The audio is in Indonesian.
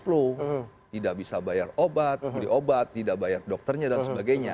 tidak bisa bayar obat beli obat tidak bayar dokternya dan sebagainya